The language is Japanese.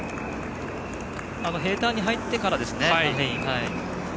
平たんに入ってからですね。